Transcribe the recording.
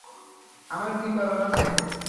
আমার কী করার আছে?